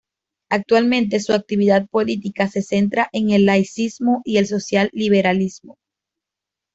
Actualmente su actividad política se centra en el laicismo y el social liberalismo.